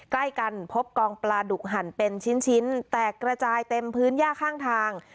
ใกล้กันพบกองปลาดุกหั่นเป็นชิ้นแตกกระจายเต็มพื้นย่าข้างทาง